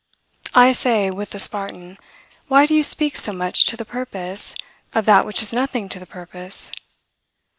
I say, with the Spartan, 'Why do you speak so much to the purpose, of that which is nothing to the purpose?'